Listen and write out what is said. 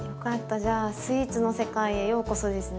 じゃあスイーツの世界へようこそですね。